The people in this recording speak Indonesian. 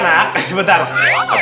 waduh siapa itu kak